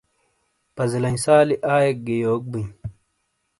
پزیلائیں سالی ائیک گی یوک بئی ؟